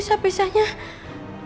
dia tidak mengomel aku